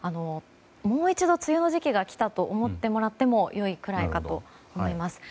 もう一度、梅雨の時期が来たと思ってもらっても良いくらいかと思います。